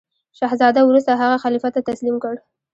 شهزاده وروسته هغه خلیفه ته تسلیم کړ.